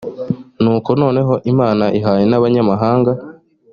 nuko noneho imana ihaye n abanyamahanga